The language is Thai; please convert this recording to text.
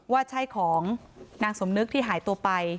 ว่าใช่ของนางสมนึกที่หายตัวไป